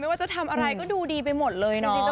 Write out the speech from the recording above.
ว่าจะทำอะไรก็ดูดีไปหมดเลยเนาะ